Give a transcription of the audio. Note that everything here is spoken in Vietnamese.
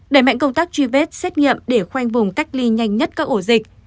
đẩy mạnh công tác truy vết xét nghiệm để khoanh vùng cách ly nhanh nhất các ổ dịch